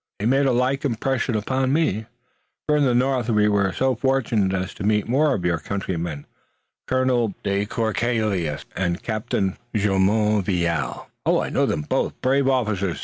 "He made a like impression upon me. Farther north we were so fortunate as to meet more of your countrymen, Colonel de Courcelles and Captain de Jumonville." "I know them both! Brave officers!"